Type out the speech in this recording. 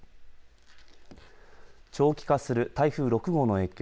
長期化する台風６号の影響